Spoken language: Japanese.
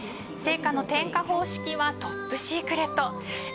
聖火の点火方式はトップシークレット。